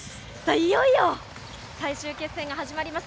いよいよ最終決戦が始まります。